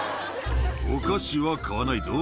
お菓子は買わないぞ。